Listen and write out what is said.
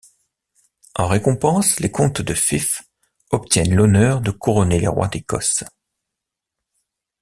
En récompense les comtes de Fife obtiennent l'honneur de couronner les rois d'Écosse.